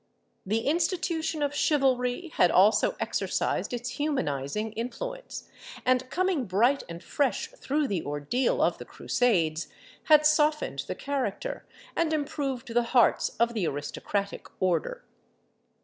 The institution of chivalry had also exercised its humanising influence, and coming bright and fresh through the ordeal of the Crusades, had softened the character and improved the hearts of the aristocratic order.